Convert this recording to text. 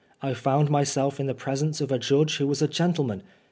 I found myself in the presence of a judge who was a gentleman.